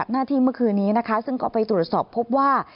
หน้าที่เมื่อคืนนี้นะคะซึ่งก็ไปตรวจสอบพบว่า